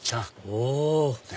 お！